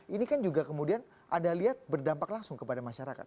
ini kan juga kemudian anda lihat berdampak langsung kepada masyarakat